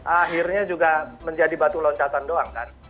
akhirnya juga menjadi batu loncatan doang kan